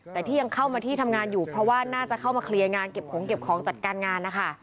แต่ที่ยังเข้ามาที่ทำงานอยู่เพราะว่าน่าจะเข้ามาเคลียร์งานเก็บของเก็บของจัดการงานนะคะ